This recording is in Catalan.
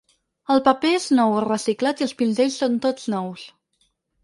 El paper és nou o reciclat i els pinzells són tots nous.